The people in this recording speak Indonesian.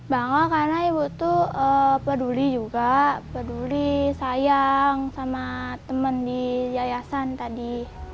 bangga karena ibu tuh peduli juga peduli sayang sama temen di yayasan tadi